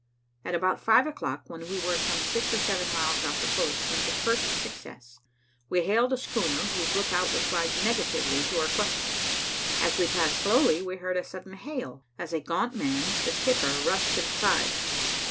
About five o'clock, when we were some six or seven miles off the coast, came the first success. We hailed a schooner whose lookout replied negatively to our questions. As we passed slowly, we heard a sudden hail, as a gaunt man, the skipper, rushed to the side.